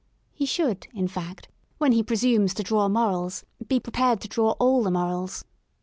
He should, in fact, when he presumes to draw morals, be prepared to draw all the morals.